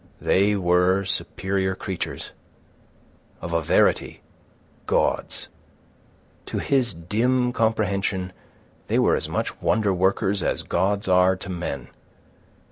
They were superior creatures, of a verity, gods. To his dim comprehension they were as much wonder workers as gods are to men.